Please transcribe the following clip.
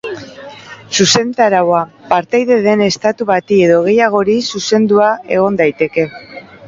Zuzentaraua, partaide den estatu bati edo gehiagori zuzendua egon daiteke.